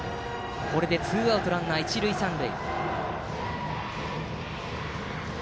ツーアウトランナー一塁三塁。